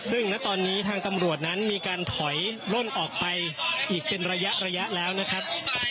ซึ่งณตอนนี้ทางตำรวจนั้นมีการถอยล่นออกไปอีกเป็นระยะแล้วนะครับ